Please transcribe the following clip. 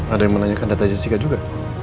ada yang menanyakan data jessica juga